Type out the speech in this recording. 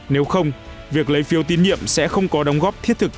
nếu không việc lấy phiếu tín nhiệm sẽ không có đóng góp thiết thực